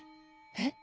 えっ？